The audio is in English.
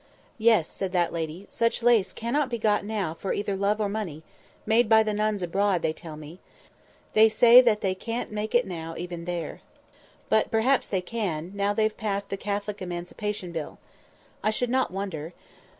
"Yes," said that lady, "such lace cannot be got now for either love or money; made by the nuns abroad, they tell me. They say that they can't make it now even there. But perhaps they can, now they've passed the Catholic Emancipation Bill. I should not wonder.